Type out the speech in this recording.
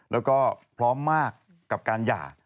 แล้วก็พร้อมมากกับการหย่า